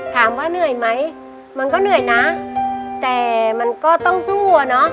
ถามว่าเหนื่อยไหมมันก็เหนื่อยนะแต่มันก็ต้องสู้อะเนาะ